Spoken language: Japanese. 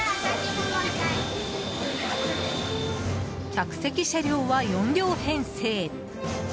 客席車両は４両編成。